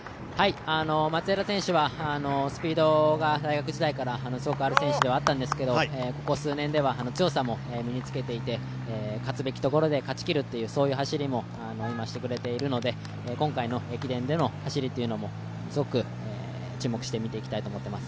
松枝選手はスピードが大学時代からすごくある選手ではあったんですけどここ数年では強さも身に付けていて、勝つべきところで勝ち切るという、そういう走りも今してくれているので、今回の駅伝での走りというのも、すごく注目して見ていきたいと思っています。